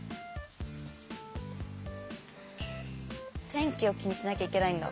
天気を気にしなきゃいけないんだ。